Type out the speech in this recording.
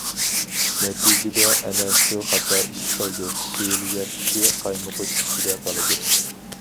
نەتىجىدە ئەنە شۇ خاتا ئىش قىلدى دېيىلگەن كىشى قايمۇقۇش ئىچىدە قالىدۇ.